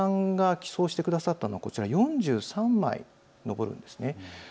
植村さんが寄贈してくださったのは、こちら４３枚に上るんです。